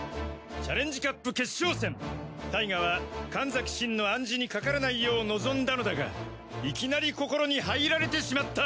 チャレンジカップ決勝戦タイガは神崎シンの暗示にかからないよう臨んだのだがいきなり心に入られてしまった！